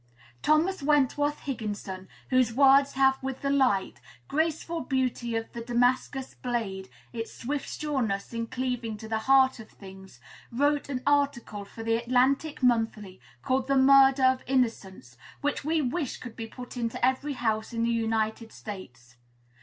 Thomas Wentworth Higginson, whose words have with the light, graceful beauty of the Damascus blade its swift sureness in cleaving to the heart of things, wrote an article for the "Atlantic Monthly" called "The Murder of the Innocents," which we wish could be put into every house in the United States.